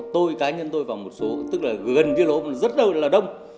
tôi cá nhân tôi vào một số tức là gần rất là đông